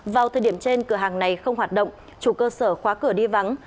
vào thời điểm trên cửa hàng này không hoạt động chủ cơ sở khóa cửa đi vắng